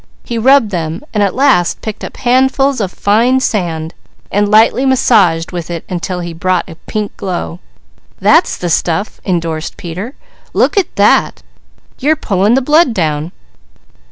He rubbed them and at last picked up handfuls of fine sand and lightly massaged with it until he brought a pink glow. "That's the stuff," indorsed Peter. "Look at that! You're pulling the blood down."